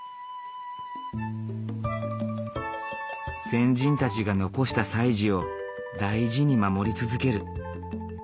先人たちが残した歳時を大事に守り続ける。